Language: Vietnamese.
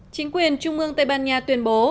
chính quyền trung ương tây ban nha tuyên bố